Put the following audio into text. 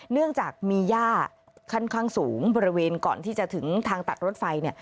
เนื่องจากมีย่าค่อนข้างสูงบริเวณก่อนที่จะถึงทางตัดรถไฟเนี่ย